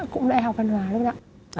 cũng lại học văn hóa luôn ạ